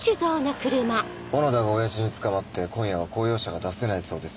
小野田が親父につかまって今夜は公用車が出せないそうです。